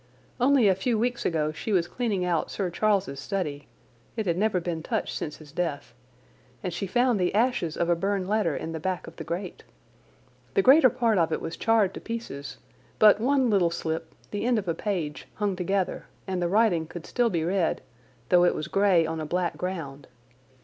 Only a few weeks ago she was cleaning out Sir Charles's study—it had never been touched since his death—and she found the ashes of a burned letter in the back of the grate. The greater part of it was charred to pieces, but one little slip, the end of a page, hung together, and the writing could still be read, though it was grey on a black ground.